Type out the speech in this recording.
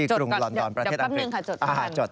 จดเดี๋ยวก่อน